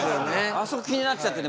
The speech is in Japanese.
あそこ気になっちゃってね。